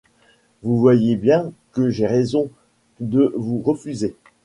Vous voyez bien que j'ai raison de vous refuser.